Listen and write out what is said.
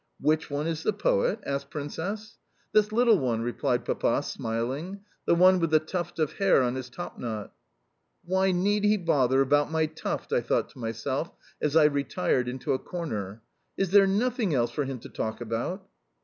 "WHICH one is the poet?" asked the Princess. "This little one," replied Papa, smiling; "the one with the tuft of hair on his top knot." "Why need he bother about my tuft?" I thought to myself as I retired into a corner. "Is there nothing else for him to talk about?"